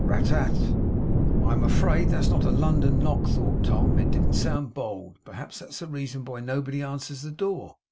Rat tat. 'I am afraid that's not a London knock,' thought Tom. 'It didn't sound bold. Perhaps that's the reason why nobody answers the door.